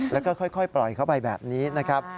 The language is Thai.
แล้วก็ค่อยปล่อยเข้าไปแบบนี้นะครับ